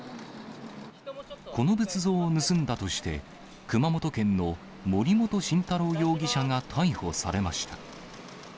この仏像を盗んだとして、熊本県の森本晋太郎容疑者が逮捕されました。